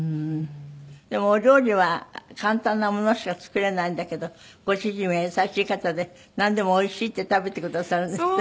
でもお料理は簡単なものしか作れないんだけどご主人は優しい方でなんでも「おいしい」って食べてくださるんですって？